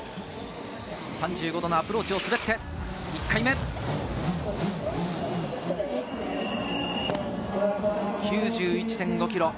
３５度のアプローチを滑って１回目、９１．５キロ。